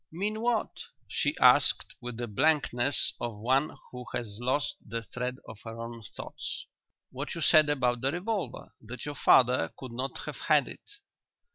"Mean what?" she asked, with the blankness of one who has lost the thread of her own thoughts. "What you said about the revolver that your father could not have had it?"